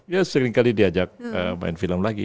ya sering kali diajak main film lagi